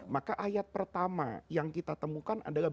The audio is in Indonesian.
maka ayat pertama yang kita temukan adalah